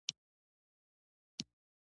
• د شپیلو وهلو ږغ خلک متوجه کوي.